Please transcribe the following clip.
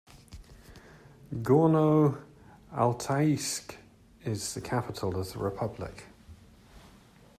Gorno-Altaysk is the capital of the republic.